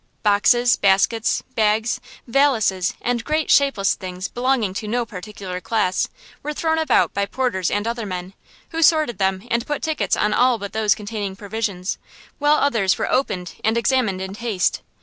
Boxes, baskets, bags, valises, and great, shapeless things belonging to no particular class, were thrown about by porters and other men, who sorted them and put tickets on all but those containing provisions, while others were opened and examined in haste.